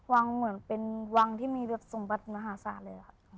วังเหมือนเป็นวังที่มีสมบัติมหาศาลเลยครับ